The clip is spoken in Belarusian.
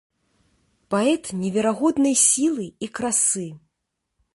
Паэт неверагоднай сілы і красы.